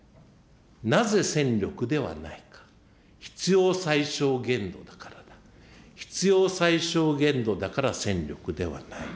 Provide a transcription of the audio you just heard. なぜ戦力ではないか、必要最小限度だからだ、必要最小限度だから戦力ではない。